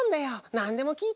なんでもきいて！